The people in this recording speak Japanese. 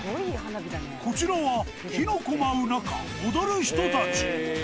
こちらは、火の粉舞う中、踊る人たち。